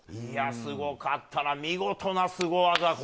すごかった、見事なスゴ技。